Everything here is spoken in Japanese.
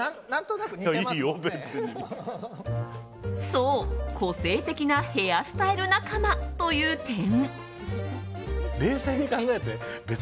そう、個性的なヘアスタイル仲間という点。